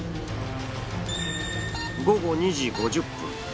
午後２時５０分。